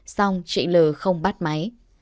xong chị l không bắt máy